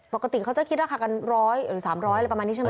ปกติเขาจะคิดราคากันร้อยหรือ๓๐๐อะไรประมาณนี้ใช่ไหม